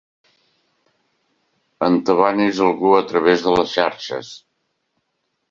Entabanis algú a través de les xarxes.